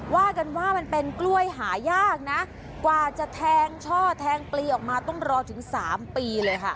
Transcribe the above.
ว่ากันว่ามันเป็นกล้วยหายากนะกว่าจะแทงช่อแทงปลีออกมาต้องรอถึง๓ปีเลยค่ะ